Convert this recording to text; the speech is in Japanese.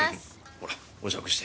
ほらお酌して。